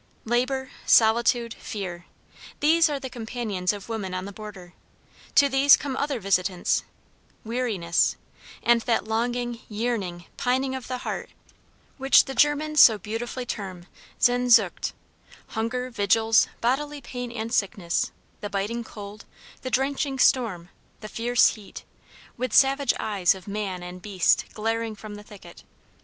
Labor, Solitude, Fear; these are the companions of woman on the border: to these come other visitants weariness, and that longing, yearning, pining of the heart which the Germans so beautifully term sehn sucht hunger, vigils, bodily pain and sickness, the biting cold, the drenching storm, the fierce heat, with savage eyes of man and beast glaring from the thicket.